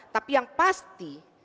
tapi yang pasti